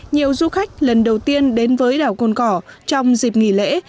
nhiều du khách lần đầu tiên đến với đảo cồn cỏ trong dịp nghỉ lễ